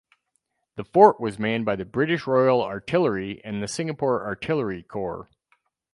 The fort was manned by the British Royal Artillery and the Singapore Artillery Corps.